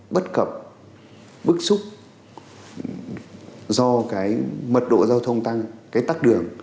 bất cập bức xúc do mật độ giao thông tăng tắc đường